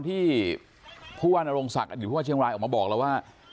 ที่ผู้ว่านโรงศักดิ์อยู่ผู้ว่าเชียงรายออกมาบอกแล้วว่า